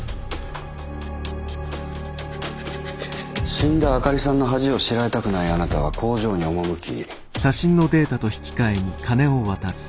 死んだ灯里さんの恥を知られたくないあなたは工場に赴き。